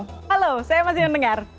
halo saya masih mendengar